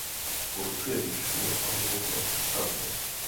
Určuje výšku a mohutnost stavby.